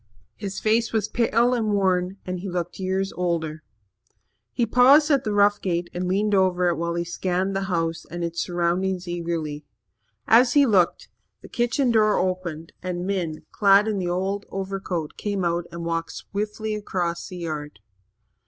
His face was pale and worn and he looked years older. He paused at the rough gate and leaned over it while he scanned the house and its surroundings eagerly. As he looked, the kitchen door opened and Min, clad in the old overcoat, came out and walked swiftly across the yard.